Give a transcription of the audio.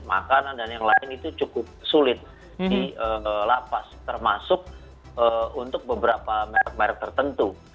makanan dan yang lain itu cukup sulit di lapas termasuk untuk beberapa merek merek tertentu